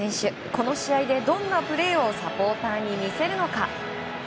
この試合でどんなプレーをサポーターに見せるのか。